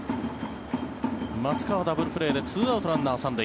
松川、ダブルプレーで２アウト、ランナー３塁。